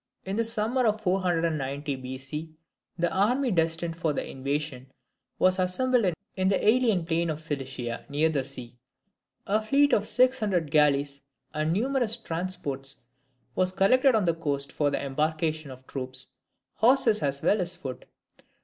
In the summer of 490 B.C., the army destined for the invasion was assembled in the Aleian plain of Cilicia, near the sea. A fleet of six hundred galleys and numerous transports was collected on the coast for the embarkation of troops, horse as well as foot.